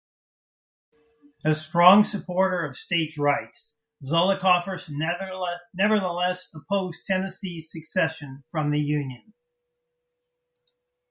A strong supporter of states rights, Zollicoffer nevertheless opposed Tennessee's secession from the Union.